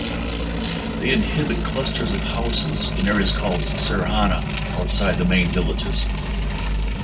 They inhabit clusters of houses in areas called saharana outside the main villages.